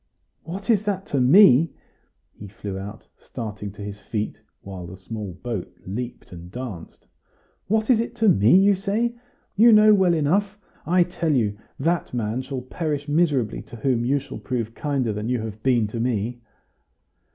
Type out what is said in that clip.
"What is it to me?" he flew out, starting to his feet, while the small boat leaped and danced; "what is it to me, you say? You know well enough! I tell you, that man shall perish miserably to whom you shall prove kinder than you have been to me!"